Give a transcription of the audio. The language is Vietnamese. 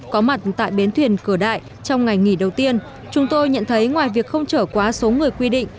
có mặt tại bến thuyền cửa đại trong ngày nghỉ đầu tiên chúng tôi nhận thấy ngoài việc không trở quá số người quy định